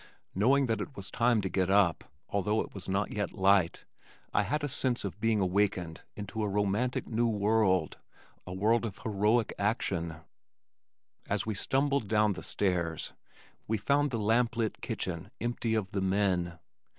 Knowing that it was time to get up, although it was not yet light, I had a sense of being awakened into a romantic new world, a world of heroic action. As we stumbled down the stairs, we found the lamp lit kitchen empty of the men.